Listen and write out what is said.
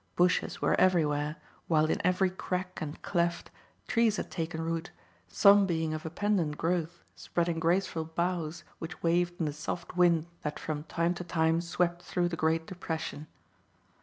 Bushes were everywhere, while in every crack and cleft, trees had taken root, some being of a pendent growth spreading graceful boughs which waved in the soft wind that from time to time swept through the great depression.